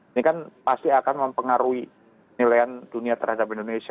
ini kan pasti akan mempengaruhi nilaian dunia terhadap indonesia